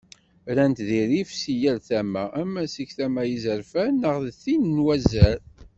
Rran-t di rrif seg yal tama, ama seg tama n yizerfan, neɣ d tin n wazal.